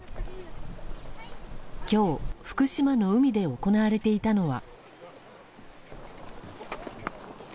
今日、福島の海で行われていたのは。